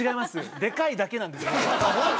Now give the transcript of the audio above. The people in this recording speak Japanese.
でかいだけなんですホント？